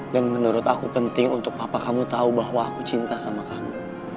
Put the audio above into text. dan menurut aku penting untuk papa kamu tau bahwa aku cinta sama kamu